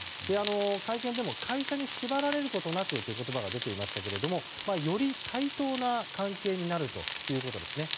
会見でも会社に縛られることなくとありましたがより対等な関係になるということですよね。